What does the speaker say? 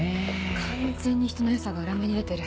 完全に人の良さが裏目に出てる。